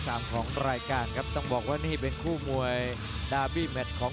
เขาเกี่ยวกับ๘๑ต่อสิทธิ์ที่๕สิทธิ์ที่๕สิทธิ์ที่๑